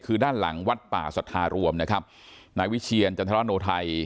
คือด้านหลังวัดป่าสัทธารวมนะครับนายวิเชียรจันทรโนไทย